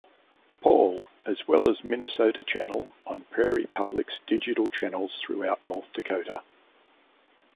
Paul, as well as "Minnesota Channel" on Prairie Public's digital channels throughout North Dakota.